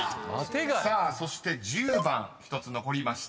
さあそして１０番１つ残りました］